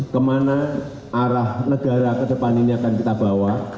kemana arah negara ke depan ini akan kita bawa